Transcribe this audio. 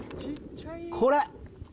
これ。